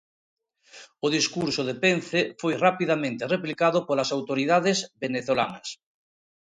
O discurso de Pence foi rapidamente replicado polas autoridades venezolanas.